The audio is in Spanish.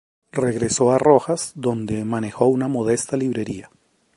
Regresó a Rojas, donde manejó una modesta librería.